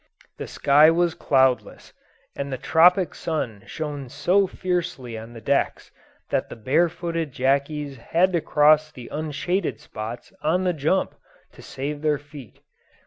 The sky was cloudless, and the tropic sun shone so fiercely on the decks that the bare footed Jackies had to cross the unshaded spots on the jump to save their feet.